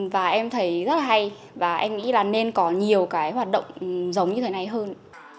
và em thấy rất là hay và em nghĩ là nên có nhiều cái hoạt động giống như thế này hơn